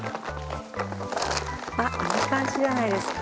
あっいい感じじゃないですか？